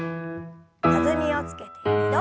弾みをつけて２度。